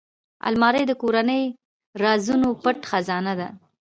الماري د کورنۍ رازونو پټ خزانه ده